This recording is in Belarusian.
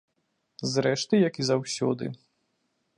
Зрэшты як і заўсёды.